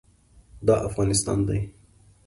دا افغانستان دی.